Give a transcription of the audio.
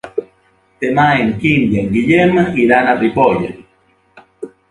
Demà en Quim i en Guillem iran a Ripoll.